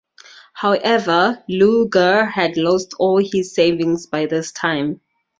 However Luger had lost all his savings by this time.